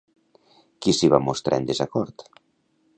Qui s'hi va mostrar en desacord?